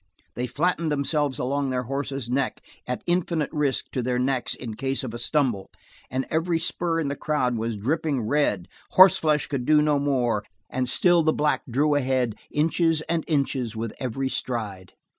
They flattened themselves along their horses' necks at infinite risk to their necks in case of a stumble, and every spur in the crowd was dripping red; horseflesh could do no more, and still the black drew ahead inches and inches with every stride.